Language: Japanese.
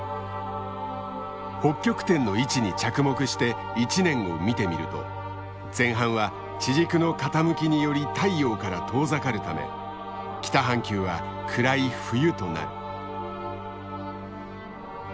北極点の位置に着目して１年を見てみると前半は地軸の傾きにより太陽から遠ざかるため北半球は暗い冬となる。